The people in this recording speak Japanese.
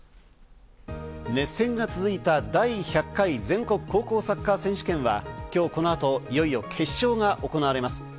熱戦が続いた第１００回全国高校サッカー選手権は今日この後、いよいよ決勝が行われます。